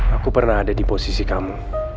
aku pernah ada di posisi kamu